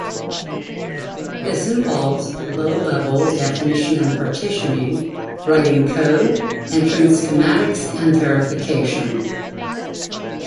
This involves low level definition and partitioning, writing code, entering schematics and verification.